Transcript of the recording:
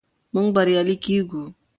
موږ به بریالي کیږو.